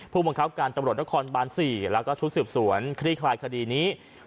ผู้บังคับการตำรวจนครบาน๔แล้วก็ชุดสืบสวนคลี่คลายคดีนี้